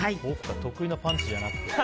得意なパンチじゃなくて？